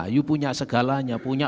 you punya segalanya punya